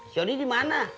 si odi di mana